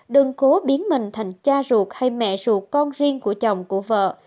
đừng cố biến mình thành cha ruột hay mẹ ruột con riêng của chồng của vợ